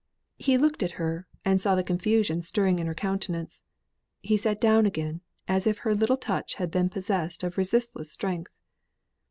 He looked at her, and saw the confusion stirring in her countenance; he sate down again, as if her little touch had been possessed of resistless strength.